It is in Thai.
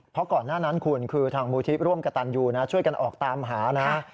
เพราะก่อนหน้านั้นคุณคือทางมูลที่ร่วมกับตันยูนะช่วยกันออกตามหานะ